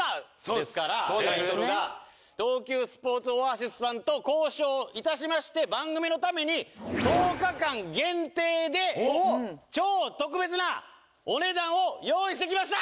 ですからタイトルが東急スポーツオアシスさんと交渉いたしまして番組のために１０日間限定で超特別なお値段を用意してきました